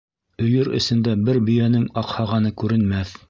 Өйөр эсендә бер бейәнең аҡһағаны күренмәҫ.